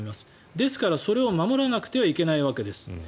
ですから、それを守らなくてはいけないわけです。